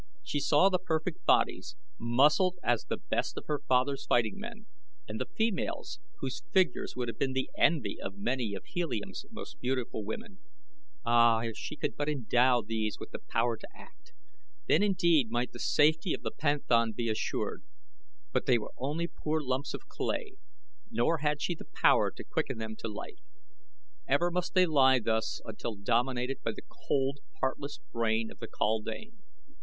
She saw the perfect bodies, muscled as the best of her father's fighting men, and the females whose figures would have been the envy of many of Helium's most beautiful women. Ah, if she could but endow these with the power to act! Then indeed might the safety of the panthan be assured; but they were only poor lumps of clay, nor had she the power to quicken them to life. Ever must they lie thus until dominated by the cold, heartless brain of the kaldane.